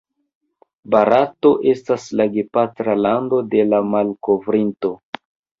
Barato estas la gepatra lando de la malkovrinto.